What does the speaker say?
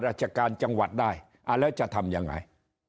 ราชการจังหวัดได้แล้วจะทำยังไง